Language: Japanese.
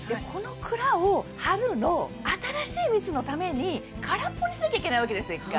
この蔵を春の新しい蜜のためにからっぽにしなきゃいけないわけですよ